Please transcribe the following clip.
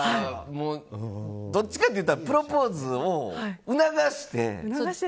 どっちかっていったらプロポーズを促して。